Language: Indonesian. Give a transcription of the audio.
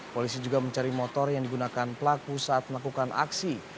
polisi juga mencari motor yang digunakan pelaku saat melakukan aksi